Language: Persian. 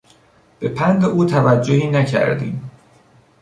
به پند او توجهی نکردیم.